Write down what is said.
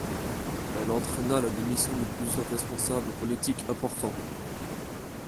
Elle entraîna la démission de plusieurs responsables politiques importants.